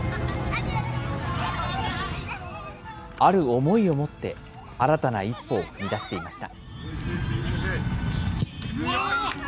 ある思いを持って、新たな一歩を踏み出していました。